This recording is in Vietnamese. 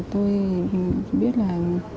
tôi biết là